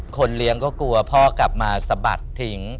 เลี้ยงก็กลัวพ่อกลับมาสะบัดทิ้ง